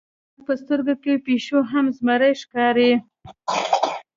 د موږک په سترګو کې پیشو هم زمری ښکاري.